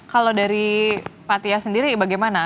kalau dari pak tias sendiri bagaimana